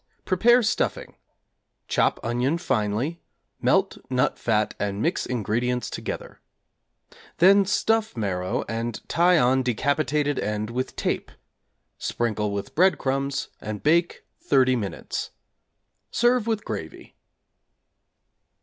Prepare stuffing: chop onion finely; melt nut fat and mix ingredients together. Then stuff marrow and tie on decapitated end with tape; sprinkle with breadcrumbs and bake 30 minutes. Serve with gravy.